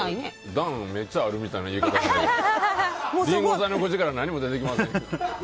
ダンがめっちゃあるみたいな言い方してたけどリンゴさんの口から何も出てきません。